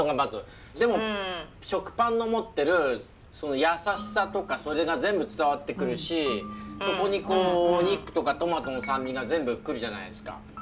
でも食パンの持ってる優しさとかそれが全部伝わってくるしそこにお肉とかトマトの酸味が全部来るじゃないですか。